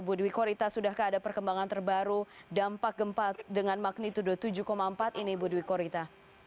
bu dwi korita sudahkah ada perkembangan terbaru dampak gempa dengan magnitudo tujuh empat ini bu dwi korita